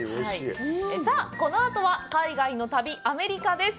さあ、このあとは、海外の旅、アメリカです。